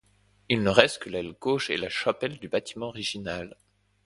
Il ne reste que l'aile gauche et la chapelle du bâtiment original.